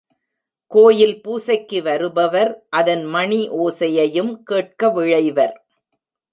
கோயில் பூசைக்கு வருபவர் அதன் மணி ஒலியையும் கேட்க விழைவர்.